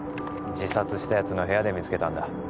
自殺したやつの部屋で見つけたんだ